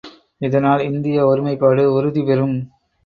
இதனால் இந்திய ஒருமைப்பாடு உறுதி பெறும்.